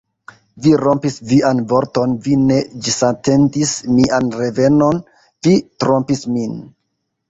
Vi rompis vian vorton, vi ne ĝisatendis mian revenon, vi trompis min!